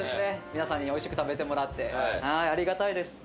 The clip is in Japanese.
皆さんにおいしく食べてもらってありがたいです